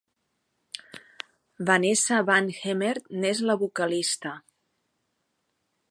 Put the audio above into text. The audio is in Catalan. Vanessa van Hemert n'és la vocalista.